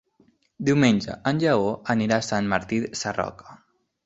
Diumenge en Lleó anirà a Sant Martí Sarroca.